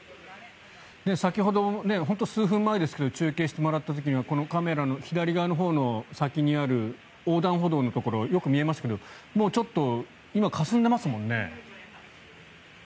先ほど本当に数分前ですけど中継してもらった時にはカメラの左側の先のほうにある横断歩道のところよく見えますが今ちょっとかすんでますもんね。